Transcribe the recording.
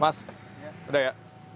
mas udah ya